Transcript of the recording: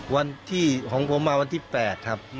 วันที่ของผมมาวันที่๘ครับ